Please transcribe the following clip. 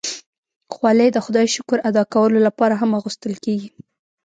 خولۍ د خدای شکر ادا کولو لپاره هم اغوستل کېږي.